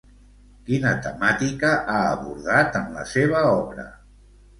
Quina temàtica ha abordat en la seva obra?